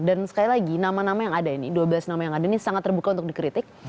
dan sekali lagi nama nama yang ada ini dua belas nama yang ada ini sangat terbuka untuk dikritik